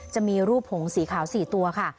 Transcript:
จะมีรูปผงสีขาว๔ตัวค่ะ